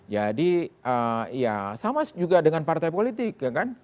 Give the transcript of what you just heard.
jadi ya sama juga dengan partai politik